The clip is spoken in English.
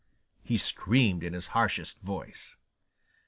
he screamed in his harshest voice.